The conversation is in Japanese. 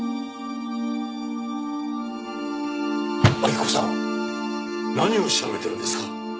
明子さん何を調べてるんですか。